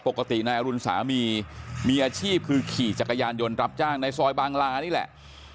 ปกตินายอรุณสามีมีอาชีพคือขี่จักรยานยนต์รับจ้างในซอยบางลานี่แหละ